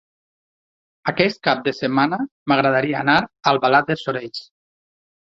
Aquest cap de setmana m'agradaria anar a Albalat dels Sorells.